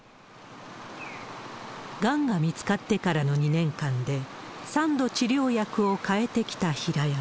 がんが見つかってからの２年間で、３度治療薬を変えてきた平山。